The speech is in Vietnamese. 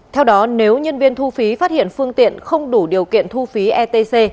theo đó nếu nhân viên thu phí phát hiện phương tiện không đủ điều kiện thu phí etc